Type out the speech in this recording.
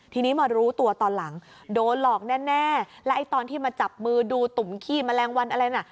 ทีนี้มารู้ตัวตอนหลังโดนหลอกแน่และไอ้ตอนที่มาจับมือดูตุ่มขี้แมลงวันอะไรน่ะ